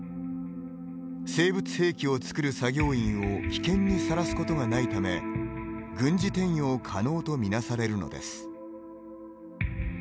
生物兵器を作る作業員を危険にさらすことがないため軍事転用可能と見なされるのです。